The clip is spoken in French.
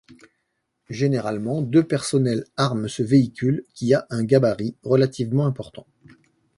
Généralement, deux personnels arment ce véhicule qui a un gabarit relativement important.